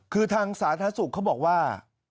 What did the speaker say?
คือทางสาธารณสุขเขาบอกว่า